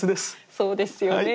そうですよね。